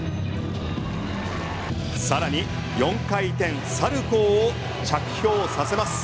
さらに４回転サルコウを着氷させます。